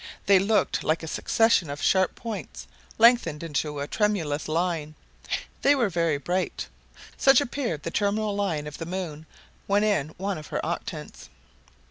They looked like a succession of sharp points lengthened into a tremulous line. They were very bright. Such appeared the terminal line of the moon when in one of her octants.